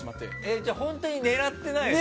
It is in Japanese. じゃあ本当に狙ってないんだ。